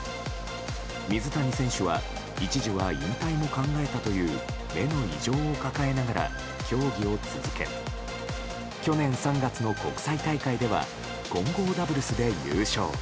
水谷選手は一時は引退も考えたという目の異常を抱えながら競技を続け去年３月の国際大会では混合ダブルスで優勝。